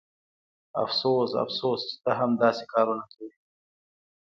افسوس افسوس چې ته هم داسې کارونه کوې